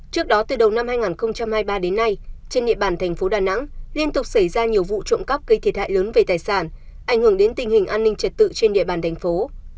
trước đó từ đầu năm hai nghìn hai mươi ba đến nay trên địa bàn thành phố đà nẵng liên tục xảy ra nhiều vụ trộm cắp gây thiệt hại lớn về tài sản ảnh hưởng đến tình hình an ninh trật tự trên địa bàn thành phố